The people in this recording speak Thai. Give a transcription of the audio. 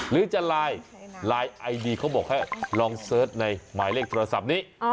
หรือจะไลน์ไลน์ไอดีเขาบอกให้ลองเสิร์ชในหมายเลขโทรศัพท์นี้